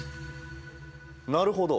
なるほど。